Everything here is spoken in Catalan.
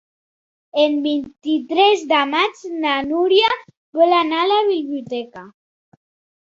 El vint-i-tres de maig na Núria vol anar a la biblioteca.